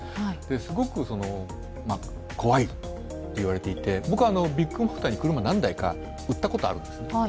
すごく怖いといわれていて僕はビッグモーターに車を何台か売ったことがある。